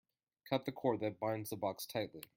Cut the cord that binds the box tightly.